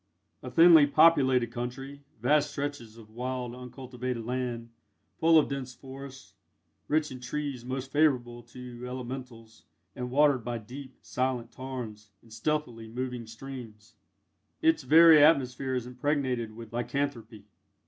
A thinly populated country vast stretches of wild uncultivated land, full of dense forests, rich in trees most favourable to Elementals, and watered by deep, silent tarns, and stealthily moving streams, its very atmosphere is impregnated with lycanthropy.